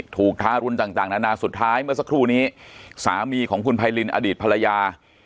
ทารุณต่างนานาสุดท้ายเมื่อสักครู่นี้สามีของคุณไพรินอดีตภรรยา